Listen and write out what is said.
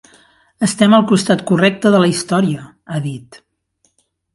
Estem al costat correcte de la història, ha dit.